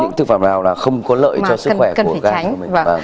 những thực phẩm nào là không có lợi cho sức khỏe của gan